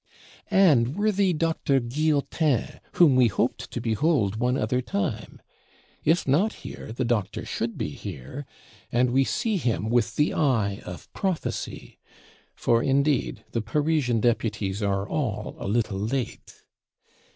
And worthy Doctor Guillotin, whom we hoped to behold one other time? If not here, the Doctor should be here, and we see him with the eye of prophecy; for indeed the Parisian Deputies are all a little late.